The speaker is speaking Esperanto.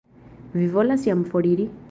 Vi volas jam foriri?